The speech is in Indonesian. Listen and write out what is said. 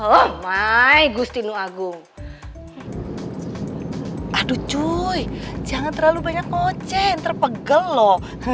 oh my gustinu agung aduh cuy jangan terlalu banyak oce yang terpegel loh